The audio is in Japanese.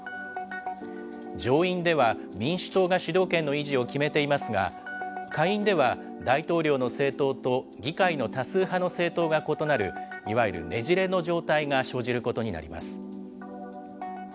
上院では民主党が主導権の維持を決めていますが、下院では大統領の政党と議会の多数派の政党が異なる、いわゆるねじれの状態が生じることになります。